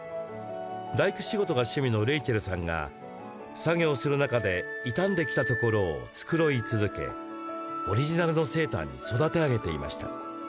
大工仕事が趣味のレイチェルさんが作業する中で傷んできたところを繕い続けオリジナルのセーターに育て上げていました。